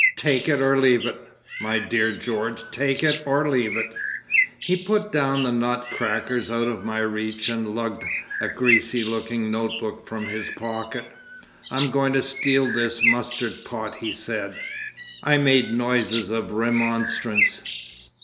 Take it or leave it, my dear George; take it or leave it."... He put down the nut crackers out of my reach and lugged a greasy looking note book from his pocket. "I'm going to steal this mustard pot," he said. I made noises of remonstrance.